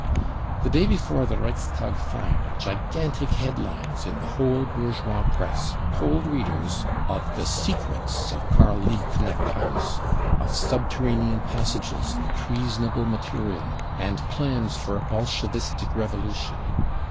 The day before the Reichstag fire gigantic headlines in the whole bourgeois Press told readers of the " secrets 55 of Karl Liebknecht House, of " subterranean passages, 55 " treason able material* 55 and " plans for a Bolshevistic revolution.